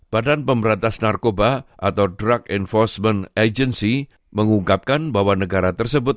badan pemberantas narkoba atau drug enforcement agency mengungkapkan bahwa negara tersebut